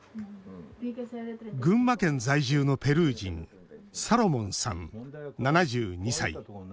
群馬県在住のペルー人サロモンさん、７２歳。